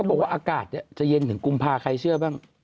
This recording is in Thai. บอกว่าอากาศจะเย็นถึงกุมภาคใครเชื่อบ้าง